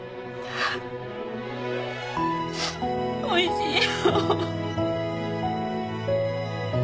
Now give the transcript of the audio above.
おいしいよ。